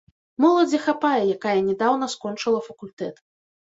Моладзі хапае, якая нядаўна скончыла факультэт.